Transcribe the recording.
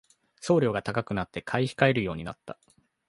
送料が高くなって買い控えるようになった